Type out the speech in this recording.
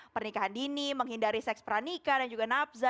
pernikahan dini menghindari seks peranikan dan juga nafza